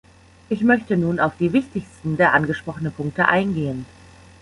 Ich möchte nun auf die wichtigsten der angesprochenen Punkte eingehen.